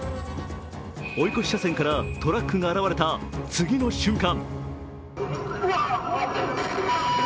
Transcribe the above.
追い越し車線からトラックが現れた次の瞬間。